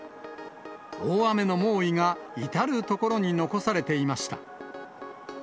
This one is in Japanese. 大雨の猛威が至る所に残されていました。